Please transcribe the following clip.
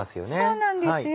そうなんですよ